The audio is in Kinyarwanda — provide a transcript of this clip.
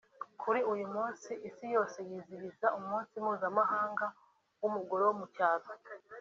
Kuri uyu munsi isi yose yizihiza umunsi mpuzamahanga w’umugore wo mu cyaro